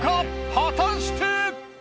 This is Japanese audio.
果たして！？